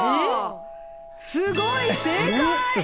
すごい、正解！